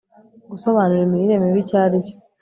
gusobanura imirire mibi icyo ari cyo